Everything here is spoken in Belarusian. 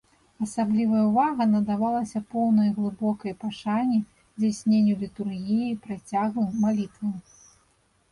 Асаблівая ўвага надавалася поўнай глыбокай пашане здзяйсненню літургіі, працяглым малітвам.